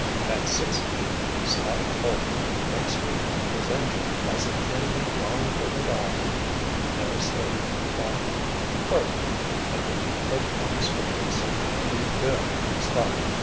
"That 'six B slotted bolt' makes me think his engine hasn't anything wrong with it at all," Larry stated, finally. "Furthermore, I think he put down his crate in some handy—good—spot!"